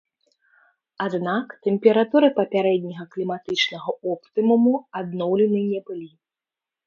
Аднак тэмпературы папярэдняга кліматычнага оптымуму адноўлены не былі.